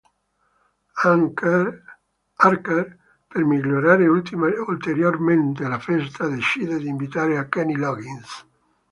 Archer, per migliorare ulteriormente la festa, decide di invitare Kenny Loggins.